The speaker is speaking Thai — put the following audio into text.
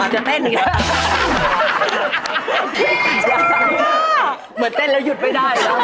อ๋อเหอะโอ้โฮ